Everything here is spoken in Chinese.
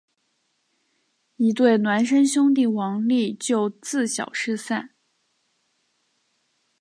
一对孪生兄弟王利就自小失散。